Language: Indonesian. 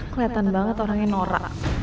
kelihatan banget orangnya norak